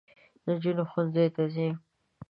نجوني ښوونځۍ ته ځي